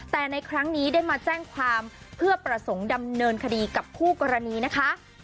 แต่ในครั้งนี้ได้มาแจ้งความเพื่อประสงค์ดำเนินคดีกับคู่กรณีนะคะ